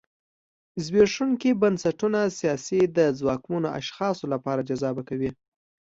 زبېښونکي بنسټونه سیاست د ځواکمنو اشخاصو لپاره جذابه کوي.